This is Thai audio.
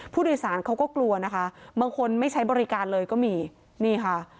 ผู้โดยสารเขาก็กลัวนะคะบางคนไม่ใช้บริการเลยก็มีนี่ค่ะ